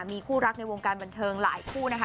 มีคู่รักในวงการบันเทิงหลายคู่นะคะ